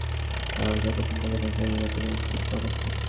মাঠ পেরিয়ে ড্রেসিংরুমে ঢোকার টানেলে যতক্ষণ তাঁকে দেখা যায়, করতালি চলল ততক্ষণ।